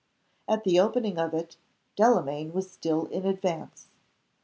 At the opening of it, Delamayn was still in advance.